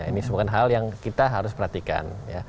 ini bukan hal yang kita harus perhatikan